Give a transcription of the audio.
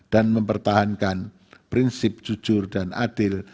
dan mempertahankan prinsip jujur dan adil